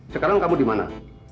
sekarang kamu dimana